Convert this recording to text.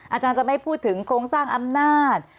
อาจารย์จะไม่พูดถึงโครงสร้างอำนาจ